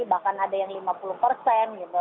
bahkan ada yang lima puluh persen gitu